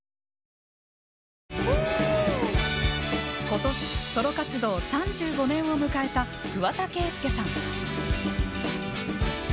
今年ソロ活動３５年を迎えた桑田佳祐さん。